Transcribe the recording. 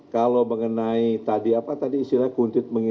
kalau mengenai tadi apa tadi istilahnya